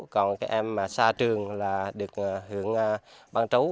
còn các em xa trường được hưởng bán chú